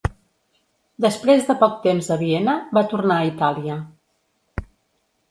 Després de poc temps a Viena, va tornar a Itàlia.